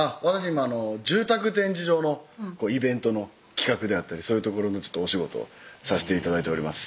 今住宅展示場のイベントの企画であったりそういう所のお仕事さして頂いております